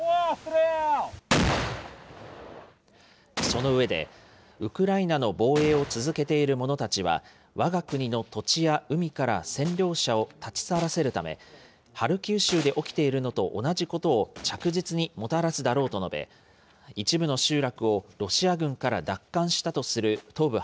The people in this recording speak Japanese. その上で、ウクライナの防衛を続けている者たちはわが国の土地や海から占領者を立ち去らせるため、ハルキウ州で起きているのと同じことを着実にもたらすだろうと述べ、一部の集落をロシア軍から奪還したとする東部